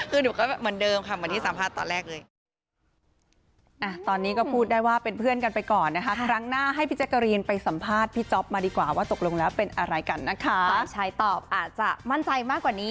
คือหนูก็เหมือนเดิมค่ะเหมือนที่สัมภาษณ์ตอนแรกเลย